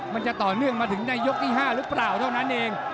มันจะต่อเนื่องมาถึงในยกที่๕หรือเปล่าเท่านั้นเอง